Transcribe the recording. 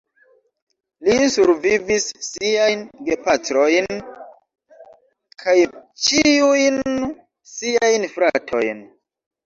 Li survivis siajn gepatrojm kaj ĉiujn siajn fratojn.